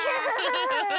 フフフフ！